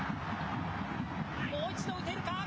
もう一度打てるか。